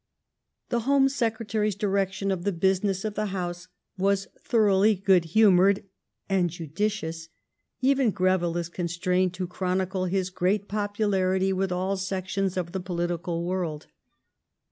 The Home Secretary's direction of the business of the House was thoroughly good humoured and judicious; eyen Greyille is constrained to ehronide his great popularity with all sections of the political world.